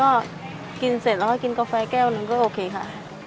ก็กินเสร็จแล้วก็กินกาแฟแก้วหนึ่งก็โอเคค่ะ